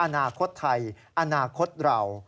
อนาคตไทยอนาคตเรา